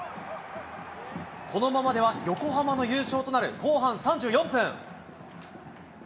このままでは横浜の優勝となる後半３４分。